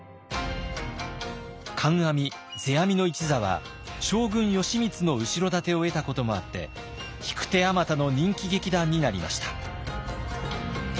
観阿弥世阿弥の一座は将軍義満の後ろ盾を得たこともあって引く手あまたの人気劇団になりました。